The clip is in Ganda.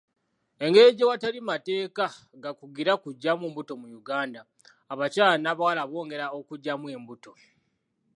Engeri gye watali mateeka gakugira kuggyamu mbuto mu Uganda, abakyala n'abawala bongera okuggyamu embuto.